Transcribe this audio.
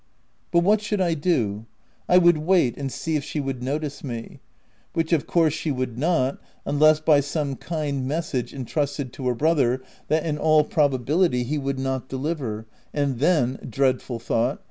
But what should I do ? I would wait, and see if she would notice me — which of course she would not, unless by some kind message in trusted to her brother, that, in all probability, he would not deliver, and then — dreadful thought